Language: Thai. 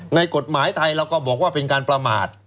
ในกฎหมายไทยเราก็บอกว่าเป็นการประมาท